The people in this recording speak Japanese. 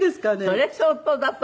それ相当だと思う。